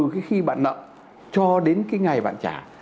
khi bạn nợ cho đến cái ngày bạn trả